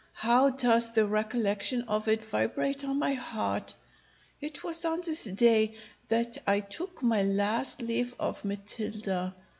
How does the recollection of it vibrate on my heart! It was on this day that I took my last leave of Matilda.